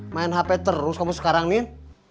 main hp terus kamu sekarang nih